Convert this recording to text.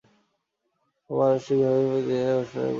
সোমবার আনুষ্ঠানিক ভাবে প্রতিযোগিতার ঘোষণা দেয় প্রতিষ্ঠানটি।